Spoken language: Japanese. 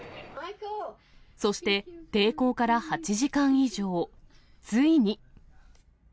そして、抵抗から８時間以上、ついに。